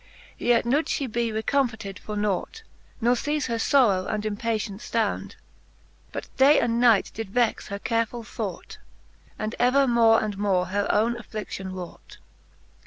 Yet would fhe be recomforted for nought, Ne ceafe her forrow and impatient ftound, But day and night did vexe her carefull thought, And ever more and more her owne afflidion wrought VII.